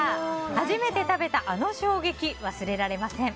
初めて食べたあの衝撃忘れられません。